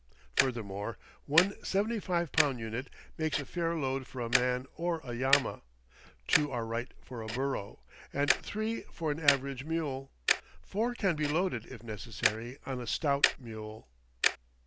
Furthermore, one seventy five pound unit makes a fair load for a man or a llama, two are right for a burro, and three for an average mule. Four can be loaded, if necessary, on a stout mule.